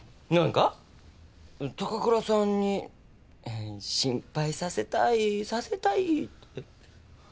何か高倉さんに心配させたいさせたいって。